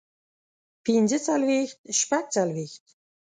پنځۀ څلوېښت شپږ څلوېښت